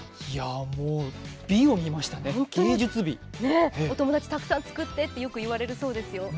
もう美を見ましたね、芸術美お友達にたくさん、作ってってよく言われるそうですよ。